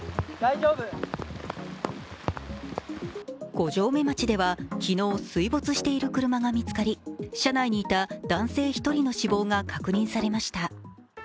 五城目町では昨日、水没している車が見つかり、車内にいた男性１人の死亡が確認されました。